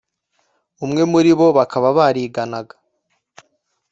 umwe muri bo bakaba bariganaga